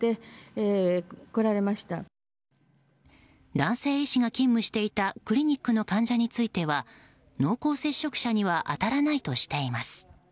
男性医師が勤務していたクリニックの患者については濃厚接触者には当たらないとしています。